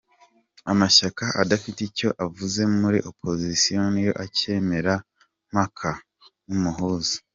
Amashyaka adafite icyo avuze muri opozisiyo niyo akemera Mkapa nk’umuhuza.